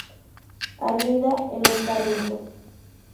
Anida en los carrizos.